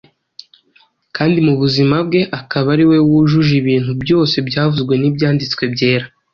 kandi mu mu buzima bwe, akaba ari we wujuje ibintu byose byavuzwe n’Ibyanditswe Byera.